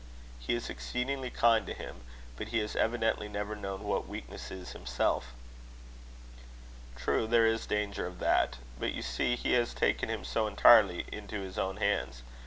He is exceedingly kind to him, but he has evidently never known what weakness is himself." "True, there is danger of that. But you see he has taken him so entirely into his own hands.